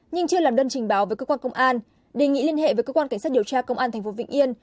nhưng chưa làm đơn trình báo với cơ quan công an đề nghị liên hệ với cơ quan cảnh sát điều tra công an thành phục vịnh yên